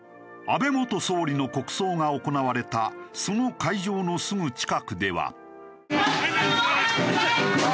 安倍元総理の国葬が行われたその会場のすぐ近くでは。